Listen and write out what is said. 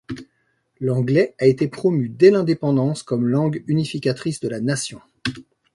L'anglais a été promu dès l'indépendance comme langue unificatrice de la nation.